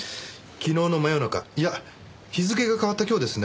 昨日の真夜中いや日付が変わった今日ですね。